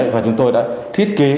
và chúng tôi đã thiết kế